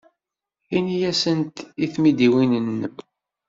Ini-asent i tmidiwin-nnem.